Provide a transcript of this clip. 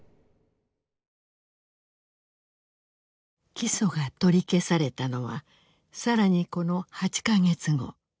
起訴が取り消されたのは更にこの８か月後。